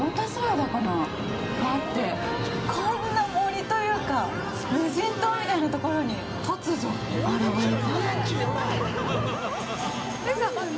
があって、こんな森というか無人島みたいなところに突如、現れた。